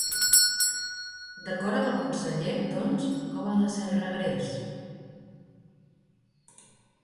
D'acord amb el conseller, doncs, com ha de ser el regrés?